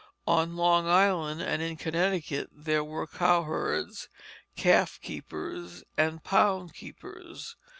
On Long Island and in Connecticut there were cowherds, calf keepers, and pound keepers.